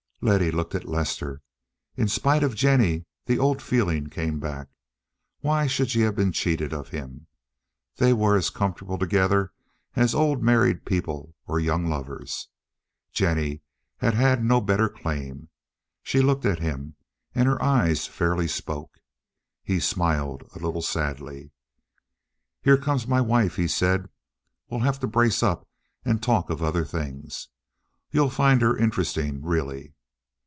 Letty looked at Lester. In spite of Jennie, the old feeling came back. Why should she have been cheated of him? They were as comfortable together as old married people, or young lovers. Jennie had had no better claim. She looked at him, and her eyes fairly spoke. He smiled a little sadly. "Here comes my wife," he said. "We'll have to brace up and talk of other things. You'll find her interesting—really."